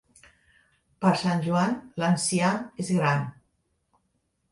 Per Sant Joan l'enciam és gran.